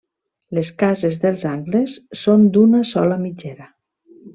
Les cases dels angles són d'una sola mitgera.